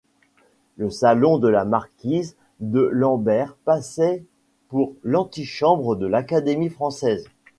Le salon de la marquise de Lambert passait pour l'antichambre de l'Académie française.